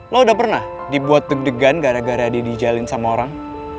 lo udah pernah dibuat deg degan gara gara dia dijalin sama orang